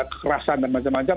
kekerasan dan macam macam